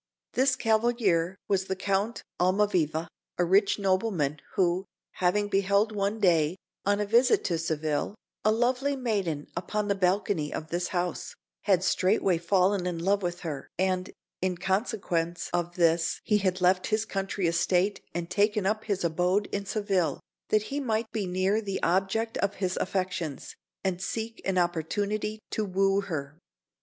This cavalier was the Count Almaviva, a rich nobleman, who, having beheld one day, on a visit to Seville, a lovely maiden upon the balcony of this house, had straightway fallen in love with her; and, in consequence of this he had left his country estate and taken up his abode in Seville, that he might be near the object of his affections, and seek an opportunity to woo her.